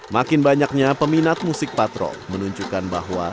makin banyaknya peminat musik patro menunjukkan bahwa